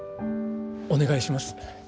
お願いします。